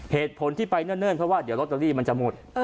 เหตุผลที่ไปเนิ่นเพราะว่าเดี๋ยวลอตเตอรี่มันจะหมด